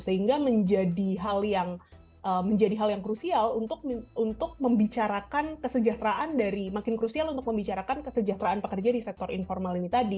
sehingga menjadi hal yang menjadi hal yang krusial untuk membicarakan kesejahteraan dari makin krusial untuk membicarakan kesejahteraan pekerja di sektor informal ini tadi